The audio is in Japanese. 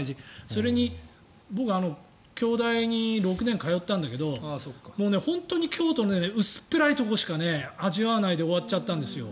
それに僕は京大に６年通ったんだけど本当に京都の薄っぺらいところしか味わわないで終わっちゃったんですよ。